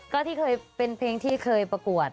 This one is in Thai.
ก็ที่เคยเป็นเพลงที่เคยประกวด